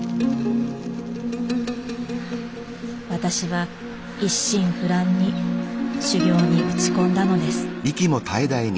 私は一心不乱に修行に打ち込んだのです。